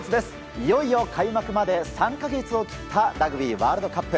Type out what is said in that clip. いよいよ開幕まで３か月を切ったラグビーワールドカップ。